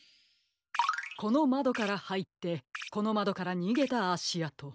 このまどからはいってこのまどからにげたあしあと。